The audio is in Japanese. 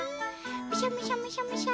「むしゃむしゃむしゃむしゃ」。